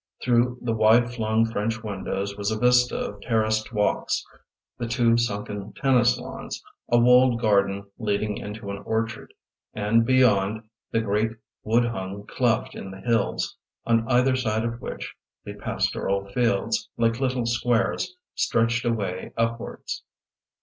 Through the wide flung French windows was a vista of terraced walks, the two sunken tennis lawns, a walled garden leading into an orchard, and beyond, the great wood hung cleft in the hills, on either side of which the pastoral fields, like little squares, stretched away upwards.